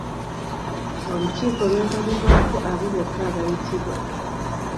Olukiiko lwetabibwako abo bokka abayitibwa.